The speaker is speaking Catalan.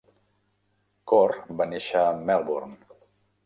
Corr va néixer a Melbourne.